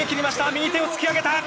右手を突き上げた！